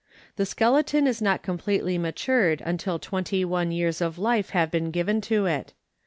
The skeleton is not completely matured until twenty one years of life have been given to it.